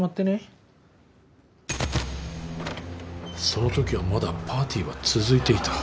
そのときはまだパーティーは続いていた。